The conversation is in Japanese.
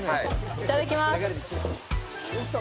いただきます。